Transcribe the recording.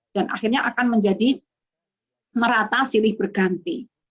dan akhirnya akan menjadi merata sirih bergantung